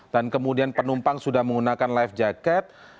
dan kemudian penumpang sudah menggunakan life jacket